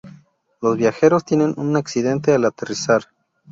Los viajeros tienen un accidente al aterrizar.